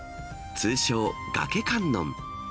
通称、崖観音。